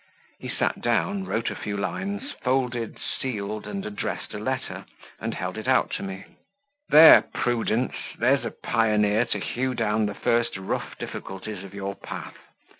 He sat down, wrote a few lines, folded, sealed, and addressed a letter, and held it out to me. "There, Prudence, there's a pioneer to hew down the first rough difficulties of your path.